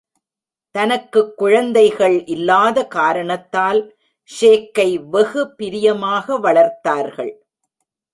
தனக்குக் குழந்தைகள் இல்லாத காரணத்தால் ஷேக்கை வெகு பிரியமாக வளர்த்தார்கள்.